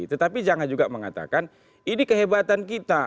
tetapi jangan juga mengatakan ini kehebatan kita